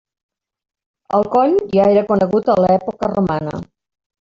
El coll ja era conegut a l'època romana.